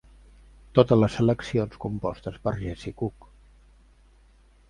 Totes les seleccions compostes per Jesse Cook.